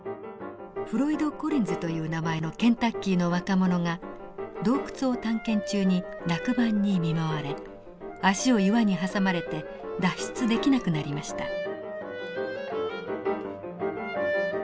フロイド・コリンズという名前のケンタッキーの若者が洞窟を探検中に落盤に見舞われ足を岩に挟まれて脱出できなくなりました。